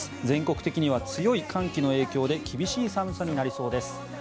全国的には強い寒気の影響で厳しい寒さになりそうです。